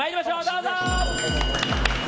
どうぞ！